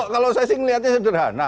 kalau saya sih melihatnya sederhana